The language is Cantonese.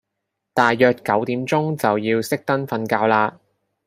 大約九點鐘就要熄燈瞓覺嘞